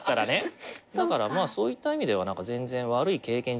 だからそういった意味では全然悪い経験じゃ。